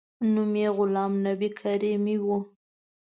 نوم یې غلام نبي کریمي و.